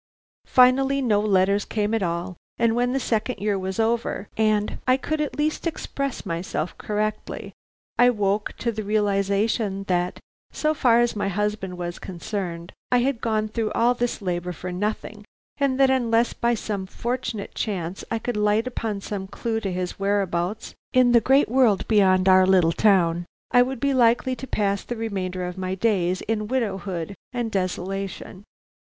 Finally no letters came at all, and when the second year was over, and I could at least express myself correctly, I woke to the realization that, so far as my husband was concerned, I had gone through all this labor for nothing, and that unless by some fortunate chance I could light upon some clue to his whereabouts in the great world beyond our little town, I would be likely to pass the remainder of my days in widowhood and desolation.